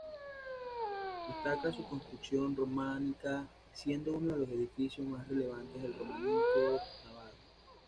Destaca su construcción románica, siendo uno de los edificios más relevantes del románico navarro.